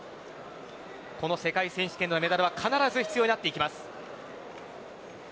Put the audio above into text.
この世界選手権のメダルは必ず必要になります。